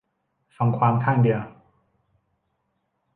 ฟังความข้างเดียว